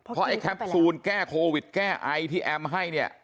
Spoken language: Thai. เพราะไอ้แคปซูลแก้โควิดแก้ไอที่แอมให้เนี่ย